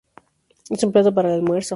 Es un plato para el almuerzo.